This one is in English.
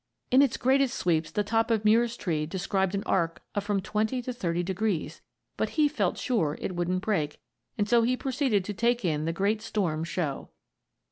In its greatest sweeps the top of Muir's tree described an arc of from twenty to thirty degrees, but he felt sure it wouldn't break, and so he proceeded to take in the great storm show.